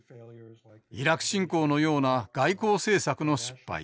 イラク侵攻のような外交政策の失敗。